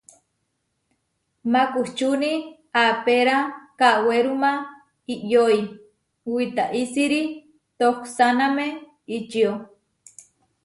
Makučúni apéra kawéruma iʼyói witaísiri tohsáname ičió.